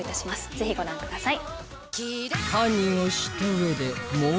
ぜひご覧ください。